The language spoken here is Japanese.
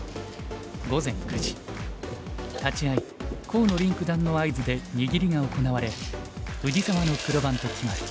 午前９時立会い河野臨九段の合図で握りが行われ藤沢の黒番と決まる。